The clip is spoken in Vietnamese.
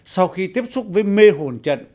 sau khi tiếp xúc với mê hồn trận